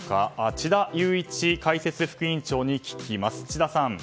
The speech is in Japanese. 智田裕一解説副委員長に聞きます。